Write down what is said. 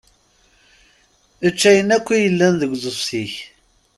Ečč ayen akk i yellan deg uḍebsi-k.